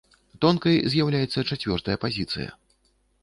Тонкай з'яўляецца чацвёртая пазіцыя.